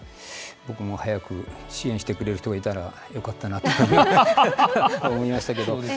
僕も早く支援してくれる人がいたらよかったなと思いましたけど。